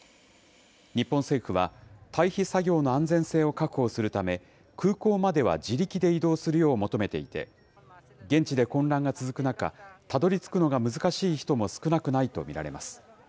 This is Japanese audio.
日本政府は、退避作業の安全性を確保するため、空港までは自力で移動するよう求めていて、現地で混乱が続く中、たどりつくのが難しい人も少なくないと見られます。